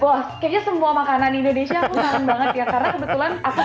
wah kayaknya semua makanan indonesia aku kangen banget ya